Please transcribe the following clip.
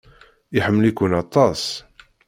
Iḥemmel-iken aṭas.